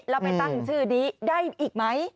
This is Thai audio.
แล้วไปตั้งชื่อนี้ได้อีกไหม